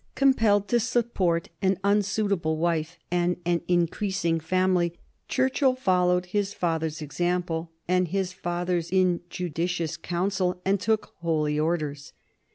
Compelled to support an unsuitable wife and an increasing family, Churchill followed his father's example and his father's injudicious counsel and took Holy Orders.